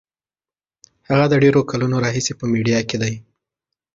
هغه د ډېرو کلونو راهیسې په میډیا کې دی.